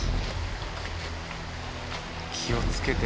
気を付けて！